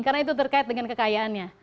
karena itu terkait dengan kekayaannya